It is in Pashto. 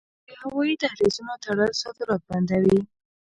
د هوایی دهلیزونو تړل صادرات بندوي.